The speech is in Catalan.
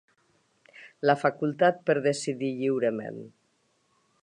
La facultat per decidir lliurement.